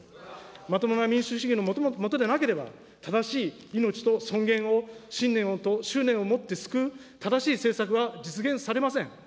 まともな民主主義の下でなければ、正しい命と尊厳を、信念と執念を持って救う、正しい政策は実現されません。